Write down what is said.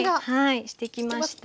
してきました。